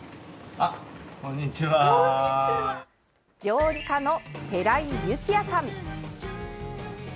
料理家の寺井幸也さん。